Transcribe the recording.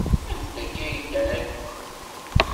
Anda akka ay ddan akk?